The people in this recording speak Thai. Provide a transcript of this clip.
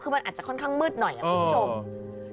คือมันอาจจะค่อนข้างมืดหน่อยคุณผู้ชม